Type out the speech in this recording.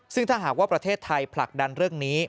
ซึ่งถ้าหากว่าประเทศไทยผลักดันเรื่องนี้